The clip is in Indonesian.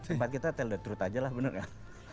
tempat kita tell the truth aja lah bener gak